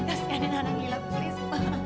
kasih adik anak lila please mama